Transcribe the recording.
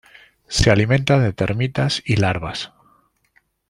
Se alimenta de termitas y larvas.